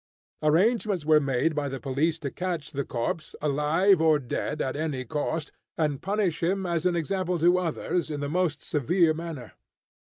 Arrangements were made by the police to catch the corpse, alive or dead, at any cost, and punish him as an example to others, in the most severe manner.